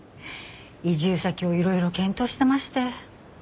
移住先をいろいろ検討してまして。